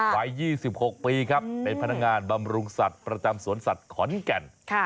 วัย๒๖ปีครับเป็นพนักงานบำรุงสัตว์ประจำสวนสัตว์ขอนแก่น